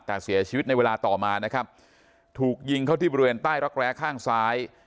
แต่เสียชีวิตในเวลาต่อมานะครับถูกยิงเข้าที่บริเวณใต้รักแร้ข้างซ้าย